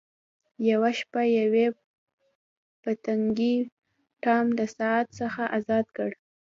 یوه شپه یوې پتنګې ټام له ساعت څخه ازاد کړ.